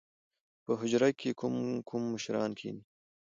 په حجره کښې کوم کوم مشران کښېني؟